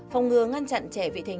phòng ngừa ngăn chặn trẻ vị thành niên